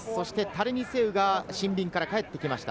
タレニ・セウがシンビンから帰ってきました。